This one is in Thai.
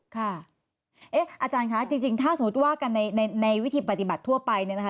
ค่ะเอ๊ะอาจารย์คะจริงจริงถ้าสมมติว่ากันในในในวิธีปฏิบัติทั่วไปเนี่ยนะคะ